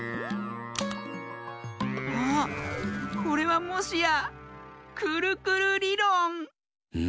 あこれはもしやくるくるりろん！